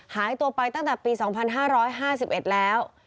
หายตัวไปตั้งแต่ปี๒๕๕๑แล้ว